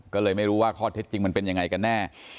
ก็เลยไม่รู้ว่าข้อเท็จจริงมันเป็นยังไงกันแน่